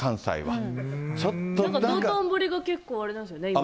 道頓堀が結構今あれなんですよね。